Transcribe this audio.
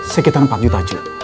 sekitar empat juta cu